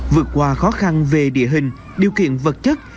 vượt qua khó khăn về địa hình điều kiện vật chất